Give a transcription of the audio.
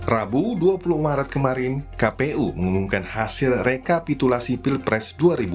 rabu dua puluh maret kemarin kpu mengumumkan hasil rekapitulasi pilpres dua ribu sembilan belas